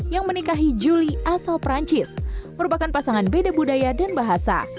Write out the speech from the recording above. yang menikahi juli asal perancis merupakan pasangan beda budaya dan bahasa